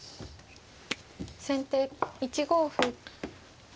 先手１五歩。